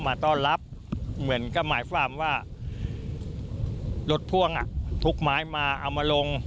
มาต้อนรับเหมือนก็หมายความว่ารถพ่วงอ่ะทุกไม้มาเอามาลง